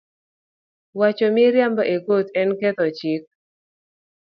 Wacho miriambo e kot en ketho chik